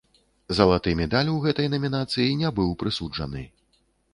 Залаты медаль у гэтай намінацыі не быў прысуджаны.